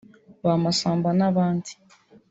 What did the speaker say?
ba Masamba n’abandi